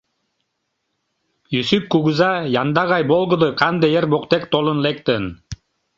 Йӱсӱп кугыза янда гай волгыдо канде ер воктек толын лектын.